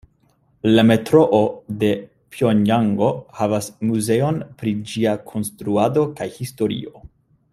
La Metroo de Pjongjango havas muzeon pri ĝia konstruado kaj historio.